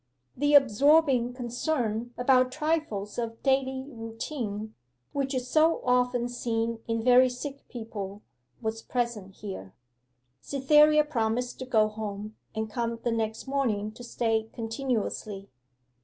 The absorbing concern about trifles of daily routine, which is so often seen in very sick people, was present here. Cytherea promised to go home, and come the next morning to stay continuously.